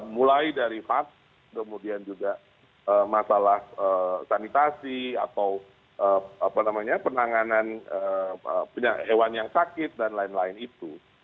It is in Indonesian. mulai dari vaksin kemudian juga masalah sanitasi atau penanganan hewan yang sakit dan lain lain itu